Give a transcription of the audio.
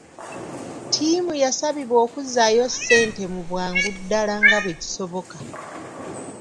Ttiimu yasabibwa okuzzaayo ssente mu bwangu ddala nga bwe kisoboka.